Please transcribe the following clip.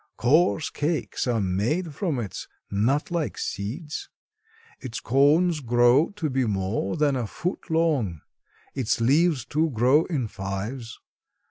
Coarse cakes are made from its nut like seeds. Its cones grow to be more than a foot long. Its leaves, too, grow in fives.